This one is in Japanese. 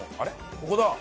ここだ。